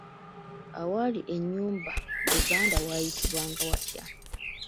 Awali ennyumba Buganda waayitibwanga watya?